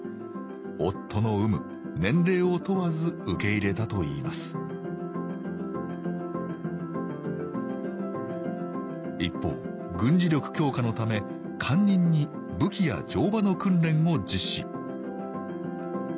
夫の有無年齢を問わず受け入れたといいます一方軍事力強化のため官人に武器や乗馬の訓練を実施